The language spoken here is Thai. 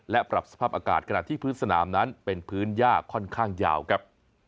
และปรับสภาพอากาศขณะที่พื้นสนามนั้นเป็นพื้นย่าค่อนข้างยาวครับ